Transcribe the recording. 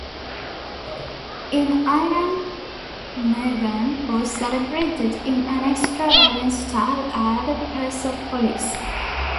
In Iran Mehrgan was celebrated in an extravagant style at Persepolis.